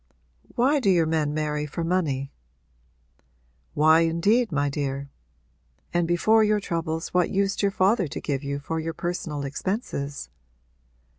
'Why do your men marry for money?' 'Why indeed, my dear? And before your troubles what used your father to give you for your personal expenses?'